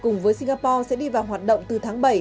cùng với singapore sẽ đi vào hoạt động từ tháng bảy